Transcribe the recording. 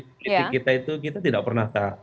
kritik kita itu kita tidak pernah tahu